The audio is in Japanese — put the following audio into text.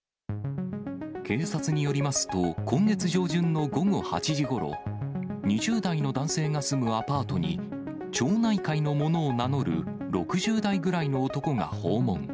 警察によりますと、今月上旬の午後８時ごろ、２０代の男性が住むアパートに、町内会の者を名乗る６０代ぐらいの男が訪問。